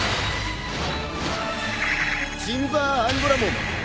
ジンバーアンゴラモン！